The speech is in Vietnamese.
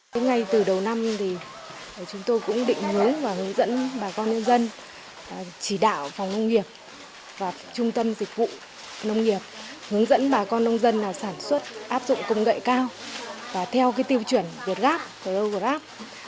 bà con nông dân chỉ đạo phòng nông nghiệp và trung tâm dịch vụ nông nghiệp hướng dẫn bà con nông dân sản xuất áp dụng công nghệ cao và theo tiêu chuẩn việt gáp